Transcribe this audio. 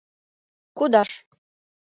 Кудаш!